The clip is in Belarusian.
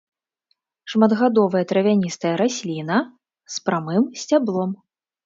Шматгадовая травяністая расліна з прамым сцяблом.